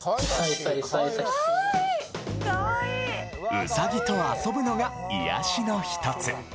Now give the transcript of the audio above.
うさぎと遊ぶのが癒しのひとつ。